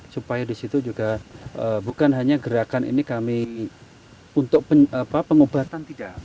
supaya di situ juga bukan hanya gerakan ini kami untuk pengobatan tidak